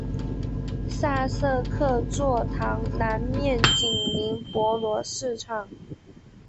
萨瑟克座堂南面紧邻博罗市场。